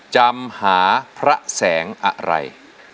จำหาพระแสงอะไร